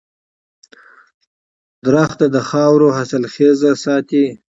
• ونه د خاورو حاصلخېزي ساتي.